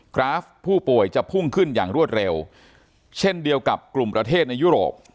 กราฟผู้ป่วยจะพุ่งขึ้นอย่างรวดเร็วเช่นเดียวกับกลุ่มประเทศในยุโรป